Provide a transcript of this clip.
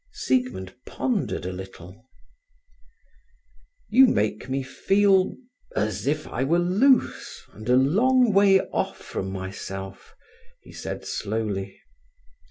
Siegmund pondered a little…. "You make me feel—as if I were loose, and a long way off from myself," he said slowly.